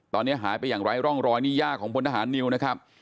ตอนนี้หายไปอย่างไร้ร่องรอยนี่ย่าของพลทหารนิวนะครับ